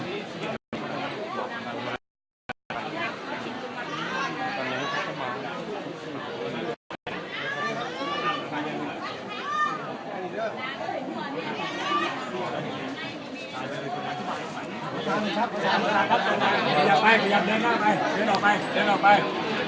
อย่าไปพยายามเดินออกไปเดินออกไปเดินออกไปครับย้ายออกไป